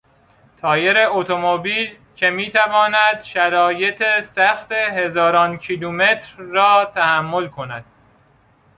تایر اتومبیل که میتواند شرایط سخت هزاران کیلومتر را تحمل کند